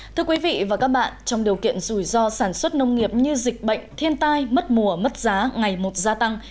thưa quý vị và các bạn trong điều kiện rủi ro sản xuất nông nghiệp như dịch bệnh thiên tai mất mùa mất giá ngày một gia tăng